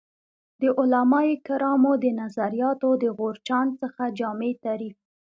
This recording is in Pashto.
د علمای کرامو د نظریاتو د غورچاڼ څخه جامع تعریف